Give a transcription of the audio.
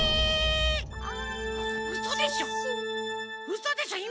うそでしょ？